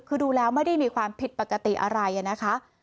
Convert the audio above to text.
คือดูแล้วไม่ได้มีความผิดปกติอะไรนะคะ